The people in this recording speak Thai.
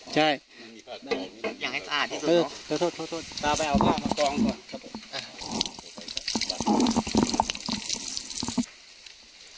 ใช่อยากให้สะอาดอืมโทษละโทษละตาไปเอาผ้าควัคกรองก่อน